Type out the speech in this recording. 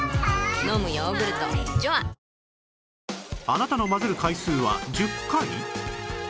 あなたの混ぜる回数は１０回？